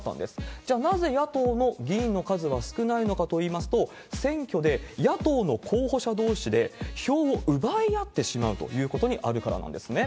じゃあなぜ、野党の議員の数が少ないのかといいますと、選挙で野党の候補者どうしで票を奪い合ってしまうということにあるからなんですね。